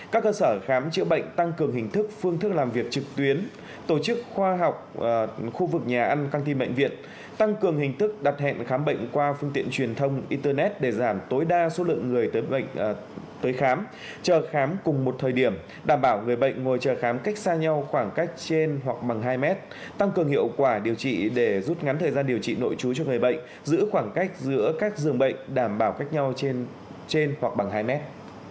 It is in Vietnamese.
các cơ sở khám chữa bệnh tăng cường hình thức phương thức làm việc trực tuyến tổ chức khoa học khu vực nhà ăn căng thi mệnh viện tăng cường hình thức đặt hẹn khám bệnh qua phương tiện truyền thông internet để giảm tối đa số lượng người tới khám chờ khám cùng một thời điểm đảm bảo người bệnh ngồi chờ khám cách xa nhau khoảng cách trên hoặc bằng hai mét tăng cường hiệu quả điều trị để rút ngắn thời gian điều trị nội trú cho người bệnh giữ khoảng cách giữa các giường bệnh đảm bảo cách nhau trên hoặc bằng hai mét